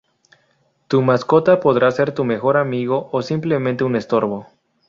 Tu mascota podrá ser tu mejor amigo o simplemente un estorbo.